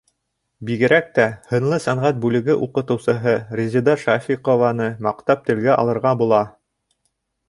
Бигерәк тә һынлы сәнғәт бүлеге уҡытыусыһы Резеда Шафиҡованы маҡтап телгә алырға була.